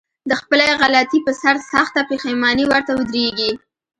د خپلې غلطي په سر سخته پښېماني ورته ودرېږي.